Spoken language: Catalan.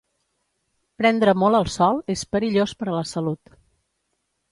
Prendre molt el sol és perillós per a la salut.